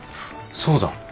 そうだ。